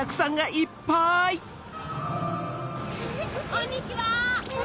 ・こんにちは！